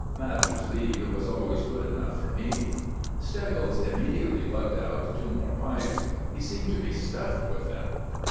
Mathers's lead was always good enough for me. Steggles immediately lugged out two more pipes. He seemed to be stuffed with them.